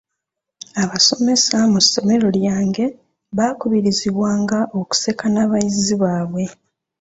Abasomesa mu ssomero lyange baakubirizibwanga okuseka n'abayizi baabwe.